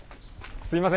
すいません